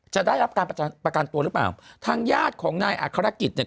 จะได้รับการประกันตัวหรือเปล่าทางญาติของนายอัครกิจเนี่ย